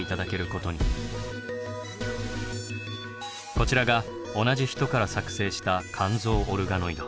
こちらが同じ人から作製した肝臓オルガノイド。